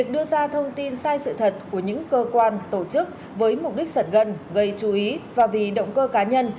đoạn tin sai sự thật của những cơ quan tổ chức với mục đích sật gần gây chú ý và vì động cơ cá nhân